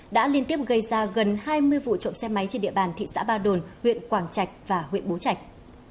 đã liên tiếp gây ra gần hai mươi vụ trộm xe máy trên địa bàn thị xã ba đồn huyện quảng trạch và huyện bố trạch